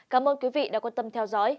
cảm ơn quý vị đã quan tâm theo dõi